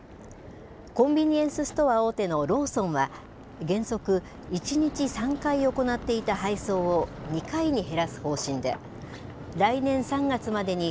コンビニエンスストア大手のローソンは、原則、１日３回行っていた配送を２回に減らす方針で、来年３月までに、